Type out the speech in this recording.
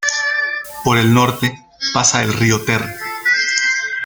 Por el norte pasa el río Ter.